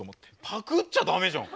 パクっちゃダメじゃん。